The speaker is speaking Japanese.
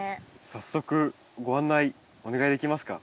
早速ご案内お願いできますか？